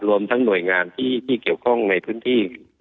รวมทั้งหน่วยงานที่เกี่ยวข้องในพื้นที่